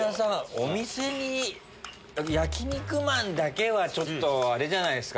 お店ヤキ肉マンだけはあれじゃないですか？